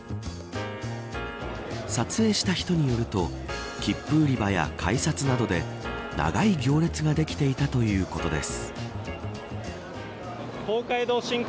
撮影した人によると切符売り場や改札などで長い行列ができていたということです。